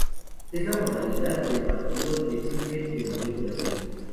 Es la modalidad de partido de críquet de mayor duración.